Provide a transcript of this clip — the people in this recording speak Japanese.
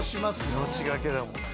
命がけだもんね。